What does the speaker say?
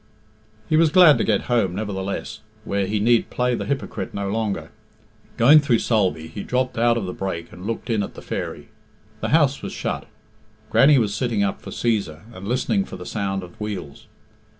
He was glad to get home, nevertheless, where he need play the hypocrite no longer. Going through Sulby, he dropped out of the brake and looked in at the "Fairy." The house was shut. Grannie was sitting up for Cæsar, and listening for the sound of wheels.